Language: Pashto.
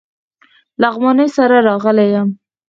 لغمانی سره راغلی یم.